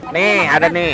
nih ada nih